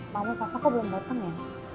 mamu papa kok belum dateng ya